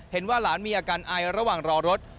เห็นว่าหลานมีอาการไอระหว่างรอรถ